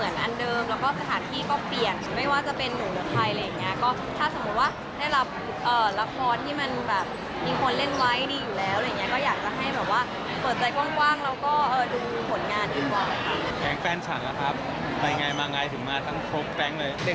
แก๊งแฟนชั้นครับไปง่ายมาง่ายถึงมาทั้งครบแปลงเลย